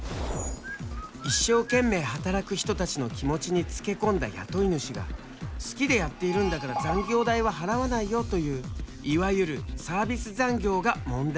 一生懸命働く人たちの気持ちにつけ込んだ雇い主が好きでやっているんだから残業代は払わないよといういわゆるサービス残業が問題になっている。